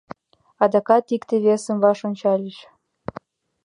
Адакат икте-весым ваш ончальыч.